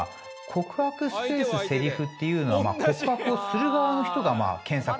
「告白スペースセリフ」っていうのは告白をする側の人が検索をしてるわけですよね。